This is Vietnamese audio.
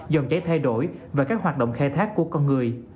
dòng cháy thay đổi và các hoạt động khai thác của con người